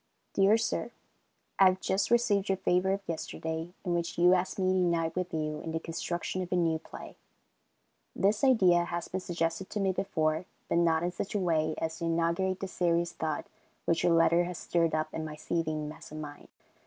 Dear Sir: I have just received your favor of yesterday, in which you ask me to unite with you in the construction of a new play. This idea has been suggested to me before, but not in such a way as to inaugurate the serious thought which your letter has stirred up in my seething mass of mind.